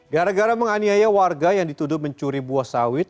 gara gara menganiaya warga yang dituduh mencuri buah sawit